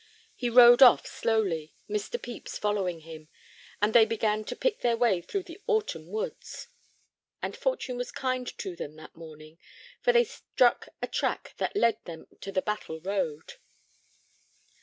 He rode off slowly, Mr. Pepys following him, and they began to pick their way through the autumn woods. And fortune was kind to them that morning, for they struck a track that led them to the Battle road.